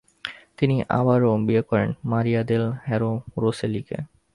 তিনি আবারও বিয়ে করেন, মারিয়া দেল হ্যারো রোসেলিকে।